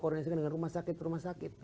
koordinasikan dengan rumah sakit rumah sakit